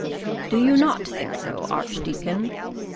"Do you think not, archdeacon?"